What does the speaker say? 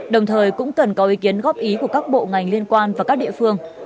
đồng thời cũng cần có ý kiến góp ý của các bộ ngành liên quan và các địa phương